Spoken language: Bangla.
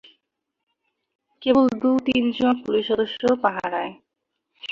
কেবল দু-তিনজন পুলিশ সদস্য পাহারায়।